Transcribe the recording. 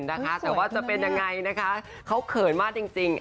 นะคะแต่ว่าจะเป็นยังไงนะคะเขาเขินมากจริง